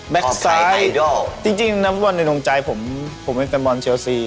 แบคไซด์จริงนักบอลในดวงใจผมเป็นแฟนบอลเชียลซี